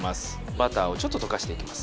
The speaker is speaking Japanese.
バターをちょっと溶かしていきます